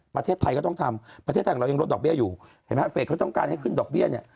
ประเทศไทยก็ต้องทำประเทศไทยของเรายังลดดอกเบี้ยอยู่เห็นไหมฮะเฟสเขาต้องการให้ขึ้นดอกเบี้ยเนี่ย